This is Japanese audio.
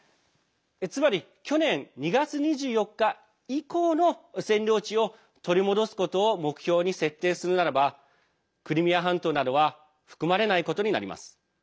つまり、去年２月２４日以降の占領地を取り戻すことを目標に設定するならばクリミア半島などは含まれないことになります。